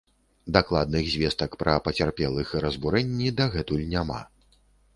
Дакладных звестак пра пацярпелых і разбурэнні дагэтуль няма.